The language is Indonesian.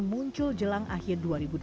muncul jelang akhir dua ribu dua puluh